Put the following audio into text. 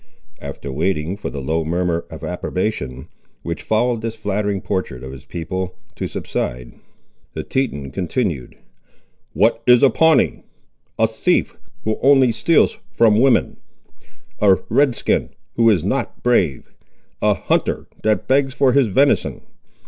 After waiting for the low murmur of approbation, which followed this flattering portrait of his people, to subside, the Teton continued—"What is a Pawnee? A thief, who only steals from women; a Red skin, who is not brave; a hunter, that begs for his venison.